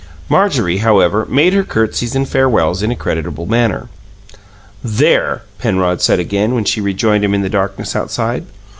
Marjorie, however, made her curtseys and farewells in a creditable manner. "There!" Penrod said again, when she rejoined him in the darkness outside.